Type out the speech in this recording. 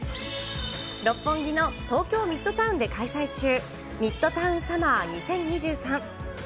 六本木の東京ミッドタウンで開催中、ミッドタウンサマー２０２３。